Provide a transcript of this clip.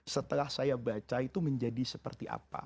setelah saya baca itu menjadi seperti apa